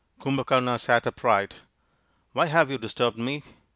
Kumbhakarna sat upright. " Why have you dis turbed me